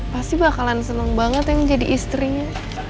pasti bakalan seneng banget yang jadi istrinya